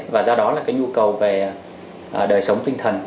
và do đó là cái nhu cầu về đời sống tinh thần